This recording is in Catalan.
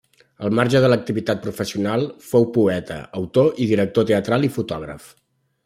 Al marge de l'activitat professional, fou poeta, autor i director teatral i fotògraf.